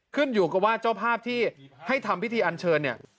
ขึ้นอยู่กับว่าเจ้าภาพที่ให้ทำพิธีอันเชิญเนี่ย